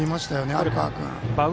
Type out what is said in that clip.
有川君。